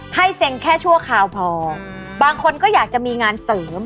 เซ็นแค่ชั่วคราวพอบางคนก็อยากจะมีงานเสริม